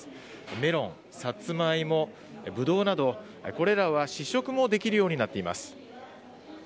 メロン、サツマイモ、ブドウなど、これらは試食もできるようになっています。